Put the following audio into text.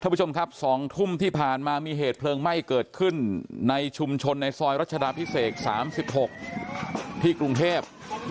ผู้ชมครับ๒ทุ่มที่ผ่านมามีเหตุเพลิงไหม้เกิดขึ้นในชุมชนในซอยรัชดาพิเศษ๓๖ที่กรุงเทพ